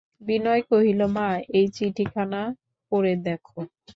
বিনয় কহিল, মা, এই চিঠিখানা পড়ে দেখো।